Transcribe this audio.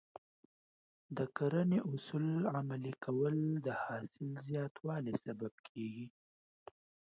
د کرنې اصول عملي کول د حاصل زیاتوالي سبب کېږي.